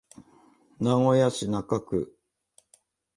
名古屋市中区